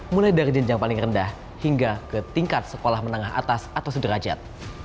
mulai dari jenjang paling rendah hingga ke tingkat sekolah menengah atas atau sederajat